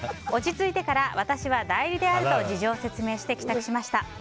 落ち着いてから私は代理であると事情を説明して帰宅しました。